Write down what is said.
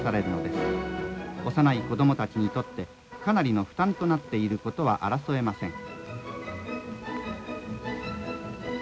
幼い子どもたちにとってかなりの負担となっていることは争えません」。